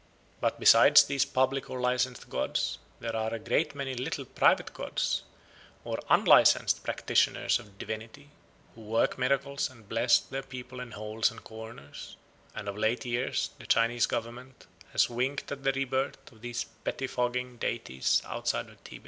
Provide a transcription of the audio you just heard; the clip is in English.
But besides these public or licensed gods there are a great many little private gods, or unlicensed practitioners of divinity, who work miracles and bless their people in holes and corners; and of late years the Chinese government has winked at the rebirth of these pettifogging deities outside of Tibet.